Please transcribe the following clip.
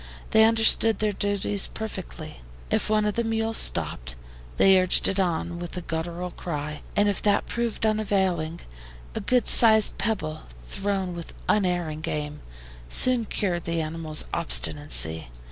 They understood their duties perfectly. If one of the mules stopped, they urged it on with a guttural cry, and if that proved unavailing, a good sized pebble, thrown with unerring aim, soon cured the animal's obstinacy.